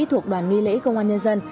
thuộc đoàn nghi lễ công an nhân dân